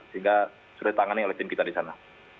sehingga sudah ditangani oleh tim kita di sana